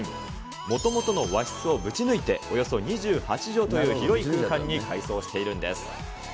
もともとの和室をぶち抜いて、およそ２８畳という広い空間に改装しているんです。